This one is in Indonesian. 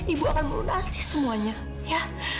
ibu akan melunasi semuanya ya